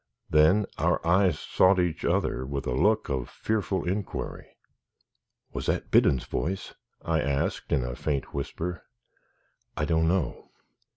Then our eyes sought each other with a look of fearful inquiry. "Was that Biddon's voice?" I asked, in a faint whisper. "I don't know.